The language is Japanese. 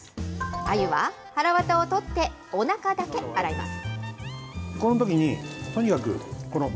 あゆは、はらわたを取って、おなかだけ洗います。